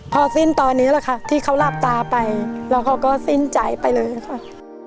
พอสิ้นตอนนี้แหละค่ะที่เขาหลับตาไปแล้วเขาก็สิ้นใจไปเลยค่ะ